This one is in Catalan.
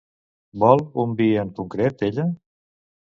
Vol un vi en concret ella?